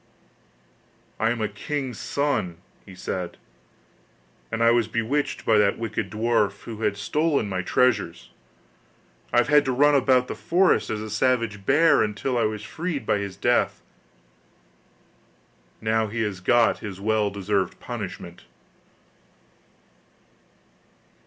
'I am a king's son,' he said, 'and I was bewitched by that wicked dwarf, who had stolen my treasures; I have had to run about the forest as a savage bear until I was freed by his death. Now he has got his well deserved punishment.